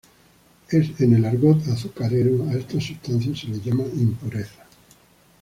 En el argot azucarero, a estas sustancias se les llama impurezas.